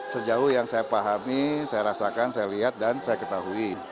sejauh yang saya pahami saya rasakan saya lihat dan saya ketahui